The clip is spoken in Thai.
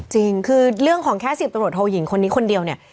จริงคือเรื่องของแค่สิบตำรวจห่วอหญิงคนเดียวเนี่ย